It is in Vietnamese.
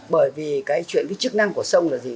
bởi vì cái chuyện cái chức năng của sông là gì